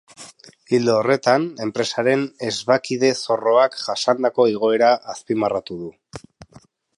Ildo horretan, enpresaren esbakide-zorroak jasandako igoera azpimarratu du.